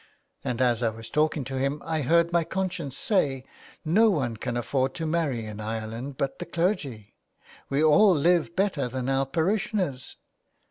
*' And as I was talking to him I heard my conscience say, ' No one can afford to marry in Ireland but the clergy.' We all live better than our parishioners."